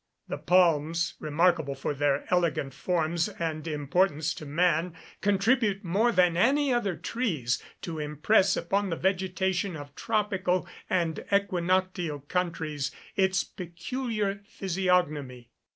The palms, remarkable for their elegant forms and importance to man, contribute more than any other trees to impress upon the vegetation of tropical and equinoctial countries its peculiar physiognomy.